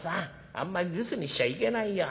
あんまり留守にしちゃいけないよ。